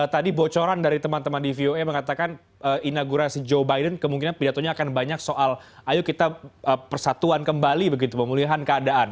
tadi bocoran dari teman teman di voa mengatakan inaugurasi joe biden kemungkinan pidatonya akan banyak soal ayo kita persatuan kembali begitu pemulihan keadaan